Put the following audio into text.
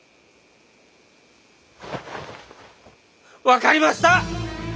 分かりました！